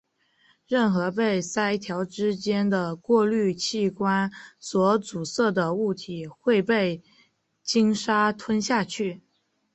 任何被鳃条之间的过滤器官所阻塞的物体会被鲸鲨吞下去。